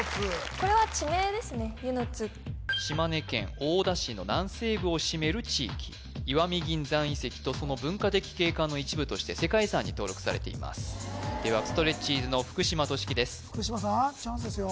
島根県大田市の南西部を占める地域石見銀山遺跡とその文化的景観の一部として世界遺産に登録されていますではストレッチーズの福島敏貴です福島さんチャンスですよ